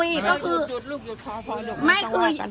อย่าให้คุณคุ้ม